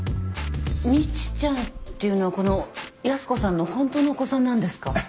未知ちゃんっていうのはこの靖子さんの本当のお子さんなんですか？